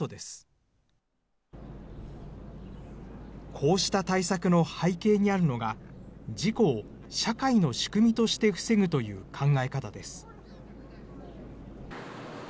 こうした対策の背景にあるのが、事故を社会の仕組みとして防ぐという考え方です。